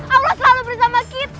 allah selalu bersama kita